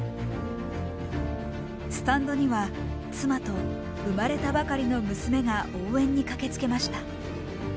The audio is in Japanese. スタンドには妻と生まれたばかりの娘が応援に駆けつけました。